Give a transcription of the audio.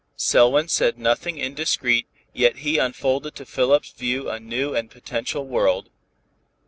Selwyn said nothing indiscreet, yet he unfolded to Philip's view a new and potential world.